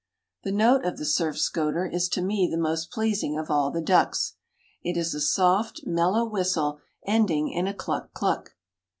The note of the Surf Scoter is to me the most pleasing of all the ducks. It is a soft, mellow whistle ending in a cluck! cluck!